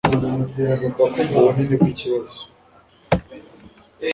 Ugomba kumva ubunini bwikibazo.